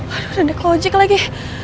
aduh udah decologic lagi